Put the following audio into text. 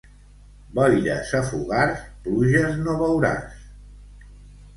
Boires a Fogars, pluges no veuràs.